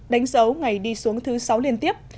đánh dấu ngày đi xuống thứ sáu liên tiếp